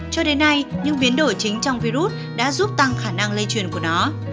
cho đến nay những biến đổi chính trong virus đã giúp tăng khả năng lây truyền của nó